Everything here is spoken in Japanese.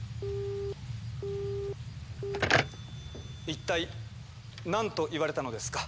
一体何と言われたのですか？